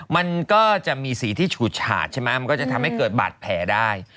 มันก็จะมีสีที่ฉูดฉาดใช่ไหมมันก็จะทำให้เกิดบาดแผลได้